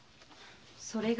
それが。